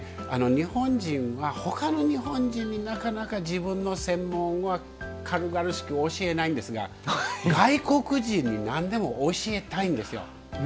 日本人はほかの日本人に、なかなか自分の専門は軽々しく教えないんですが外国人になんでも教えたいんですよ。